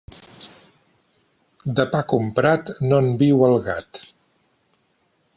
De pa comprat, no en viu el gat.